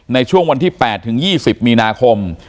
ในช่วงวันที่๘ถึง๒๐มีนาคม